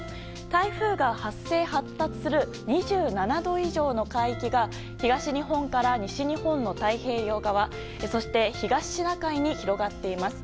台風が発生・発達する２７度以上の海域が東日本から西日本の太平洋側そして東シナ海に広がっています。